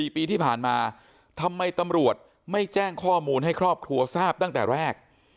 ๔ปีที่ผ่านมาทำไมตำรวจไม่แจ้งข้อมูลให้ครอบครัวทราบตั้งแต่แรก